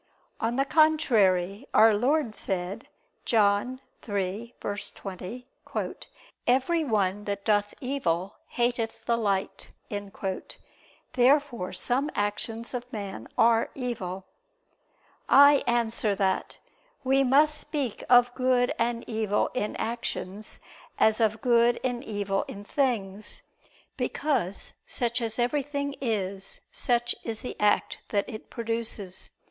On the contrary, Our Lord said (John 3:20): "Every one that doth evil, hateth the light." Therefore some actions of man are evil. I answer that, We must speak of good and evil in actions as of good and evil in things: because such as everything is, such is the act that it produces.